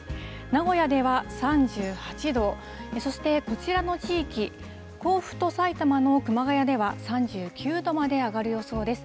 名古屋では３８度、そしてこちらの地域、甲府と埼玉の熊谷では３９度まで上がる予想です。